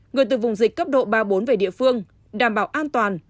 người từ vùng dịch cấp độ ba bốn về địa phương đảm bảo an toàn